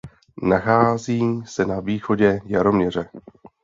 Nachází se na východě Jaroměře.